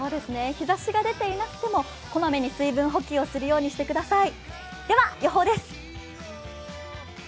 日ざしが出ていなくても、こまめに水分補給するようにしてください。